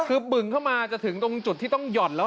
คือบึงเข้ามาจะถึงตรงจุดที่ต้องหย่อนแล้ว